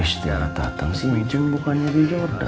istiarahat atas ini bukan dari jordan